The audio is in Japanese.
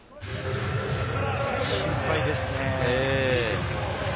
心配ですね。